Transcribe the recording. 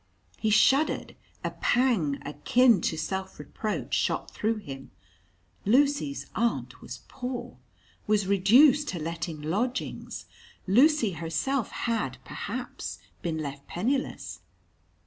He shuddered, a pang akin to self reproach shot through him. Lucy's aunt was poor, was reduced to letting lodgings. Lucy herself had, perhaps, been left penniless.